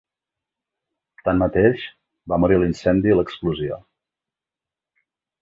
Tanmateix, va morir a l'incendi i l'explosió.